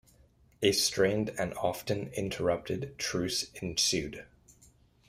A strained and often interrupted truce ensued.